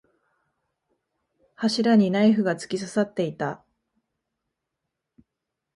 柱にナイフが突き刺さっていた。